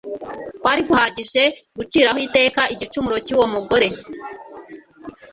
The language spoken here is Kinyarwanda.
kwari guhagije guciraho iteka igicumuro cy'uwo mugore,